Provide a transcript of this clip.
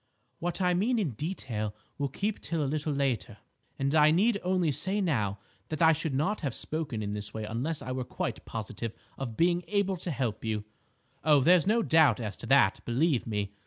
"What I mean in detail will keep till a little later, and I need only say now that I should not have spoken in this way unless I were quite positive of being able to help you. Oh, there's no doubt as to that, believe me.